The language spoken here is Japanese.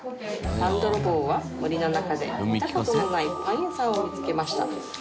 「パンどろぼうは森の中で見た事のないパン屋さんを見つけました」